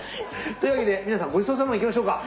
というわけで皆さんごちそうさまいきましょうか。